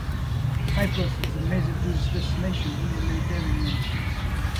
Cyprus is a major tourist destination in the Mediterranean.